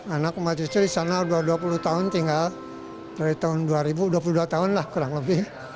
anak obat cucu disana dua puluh tahun tinggal dari tahun dua ribu dua puluh dua puluh dua tahun lah kurang lebih